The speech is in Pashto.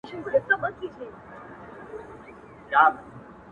• چي زړه به کله در سړیږی د اسمان وطنه ,